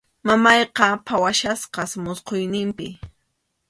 Mamayqa phawachkasqas musquyninpi.